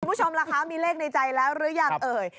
คุณผู้ชมล่ะคะมีเลขในใจแล้วหรือยังเอ่ย